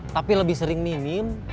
tapi lebih sering minim